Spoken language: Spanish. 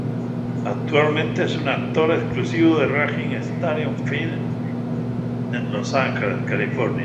Actualmente es un actor exclusivo de Raging Stallion Films en Los Angeles, California.